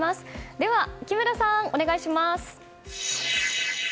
では木村さん、お願いします。